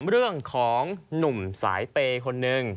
เรื่องของหนุ่มสายเปย์คนนึง